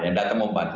yang datang membantu